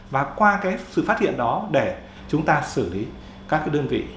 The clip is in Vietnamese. và qua cái sự phát hiện đó để chúng ta xử lý các đơn vị